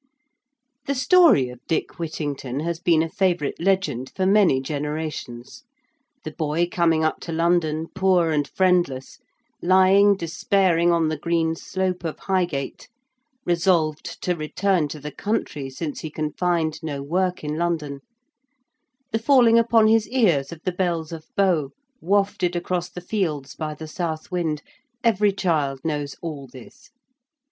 The story of Dick Whittington has been a favourite legend for many generations. The boy coming up to London poor and friendless; lying despairing on the green slope of Highgate; resolved to return to the country since he can find no work in London: the falling upon his ears of the bells of Bow, wafted across the fields by the south wind every child knows all this.